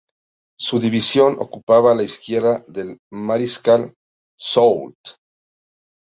Su división ocupaba la izquierda del mariscal Soult.